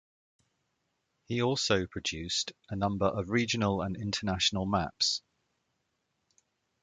He also produced a number of regional and international maps.